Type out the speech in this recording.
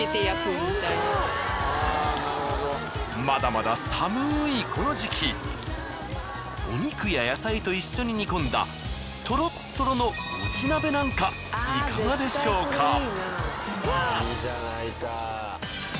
まだまださむいこの時期お肉や野菜と一緒に煮込んだとろっとろの餅鍋なんかいかがでしょうか。